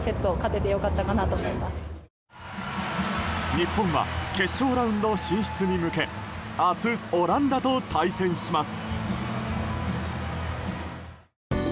日本は決勝ラウンド進出に向け明日、オランダと対戦します。